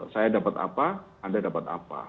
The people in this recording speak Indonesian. saya dapat apa anda dapat apa